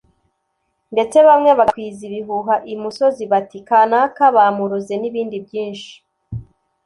ndetse bamwe bagakwiza ibihuha i musozi bati "kanaka bamuroze" n’ibindi byinshi